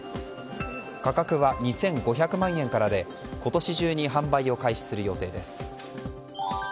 価格は２５００万円からで今年中に販売を開始する予定です。